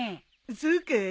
そうかい？